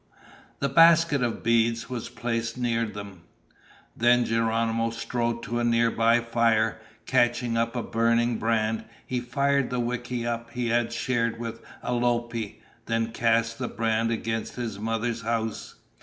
The basket of beads was placed near them. Then Geronimo strode to a nearby fire. Catching up a burning brand, he fired the wickiup he had shared with Alope, then cast the brand against his mother's house.